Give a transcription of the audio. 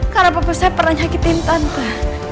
karena bapak saya pernah nyakitin tante